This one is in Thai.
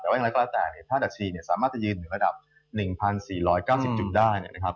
แต่ว่าอย่างไรก็แล้วแต่ถ้าดัชรีสามารถจะยืนในระดับ๑๔๙๐จุดได้นะครับ